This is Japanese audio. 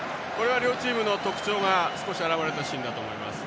両チームの特徴が少し現れたシーンだと思います。